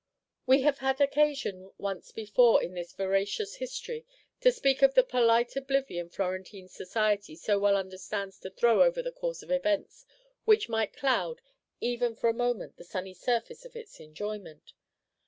We have had occasion once before in this veracious history to speak of the polite oblivion Florentine society so well understands to throw over the course of events which might cloud, even for a moment, the sunny surface of its enjoyment.